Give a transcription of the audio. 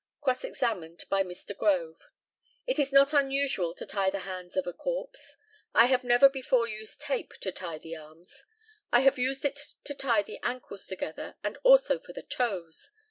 Cross examined by Mr. GROVE: It is not usual to tie the hands of a corpse. I have never before used tape to tie the arms; I have used it to tie the ankles together, and also for the toes.